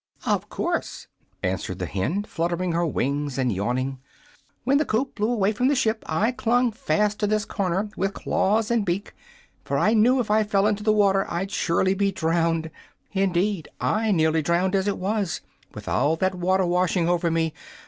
"Of course," answered the hen, fluttering her wings and yawning. "When the coop blew away from the ship I clung fast to this corner, with claws and beak, for I knew if I fell into the water I'd surely be drowned. Indeed, I nearly drowned, as it was, with all that water washing over me.